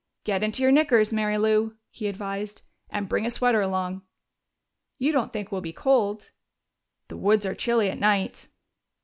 "Get into your knickers, Mary Lou," he advised. "And bring a sweater along." "You don't think we'll be cold?" "The woods are chilly at night."